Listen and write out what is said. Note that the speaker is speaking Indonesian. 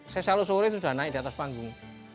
saya selalu sore sudah naik di atas panggung